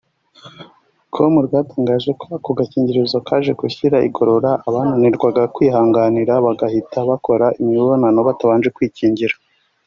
com rwatangaje ko ako gakingirizo kaje gushyira igorora abananirwaga kwihangana bagahita bakora imibonano batabanje kwikingira